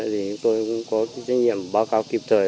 thì chúng tôi cũng có trách nhiệm báo cáo kịp thời